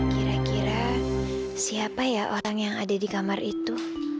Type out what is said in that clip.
kira kira siapa ya orang yang ada di kamar itu